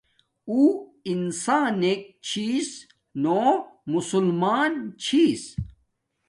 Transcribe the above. اُݸ انسانݵک چھݵس نݸ مسلمݳن چھݵس.